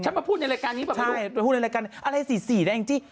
ฉันมาพูดในรายการนี้อะไรสิ๔ได้อีกที